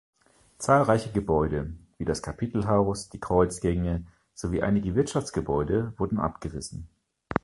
Zahlreiche Gebäude wie das Kapitelhaus, die Kreuzgänge sowie einige Wirtschaftsgebäude wurden abgerissen.